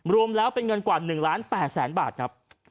รวมแล้วเป็นเงินกว่า๑ล้าน๘แสนบาทครับ